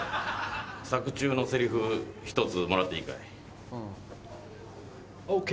作中のセリフ一つもらっていいかい？ＯＫ！